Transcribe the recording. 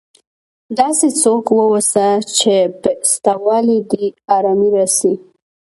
داسي څوک واوسه، چي په سته والي دي ارامي راسي.